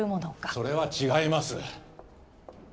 それは違います！